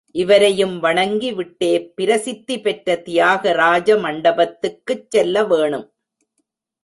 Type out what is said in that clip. இவரையும் வணங்கி விட்டே பிரசித்தி பெற்ற தியாகராஜ மண்டபத்துக்குச் செல்ல வேணும்.